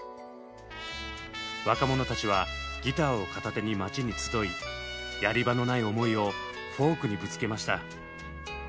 若者たちはギターを片手に街に集いやり場のない思いをフォークにぶつけました。